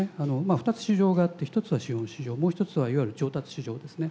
２つ市場があって一つは資本市場もう一つはいわゆる調達市場ですね。